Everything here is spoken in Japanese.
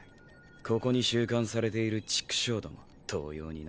ここに収監されている畜生共同様にな。